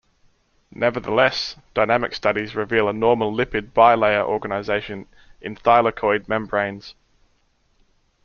Nevertheless, dynamic studies reveal a normal lipid bilayer organisation in thylakoid membranes.